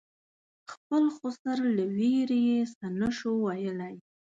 خپل خسر له وېرې یې څه نه شو ویلای.